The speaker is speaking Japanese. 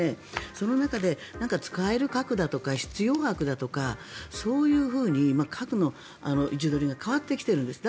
その中で何か使える核だとか必要悪だとかそういうふうに核の位置取りが変わってきているんです。